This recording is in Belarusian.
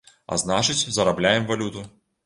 А значыць, зарабляем валюту.